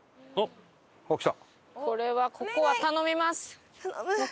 これはここは頼みます！